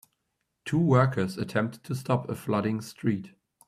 Two workers attempt to stop a flooding street.